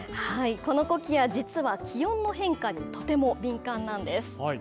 このコキア実は気温の変化にとても敏感なんです。